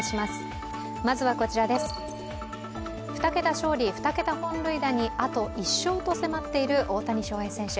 ２桁勝利、２桁本塁打にあと１勝と迫っている大谷翔平選手。